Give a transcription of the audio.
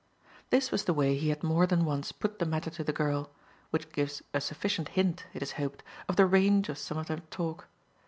This was the way he had more than once put the matter to the girl; which gives a sufficient hint, it is hoped, of the range of some of their talk.